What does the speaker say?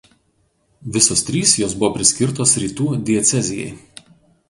Visos trys jos buvo priskirtos Rytų diecezijai.